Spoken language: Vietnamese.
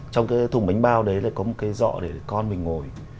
trong cái thùng bánh bao đấy là có một cái dọ để con mình ngồi